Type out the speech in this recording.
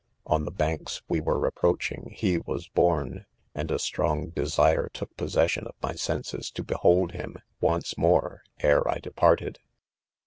On the banks. we were approaching; he was bornj and a strong desire took possession, of my senses to "behold him, once, moa^e, ^ere: 'I departed.